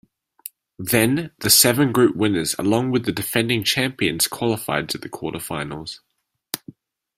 Then, the seven group winners along with the defending champions qualified to the quarterfinals.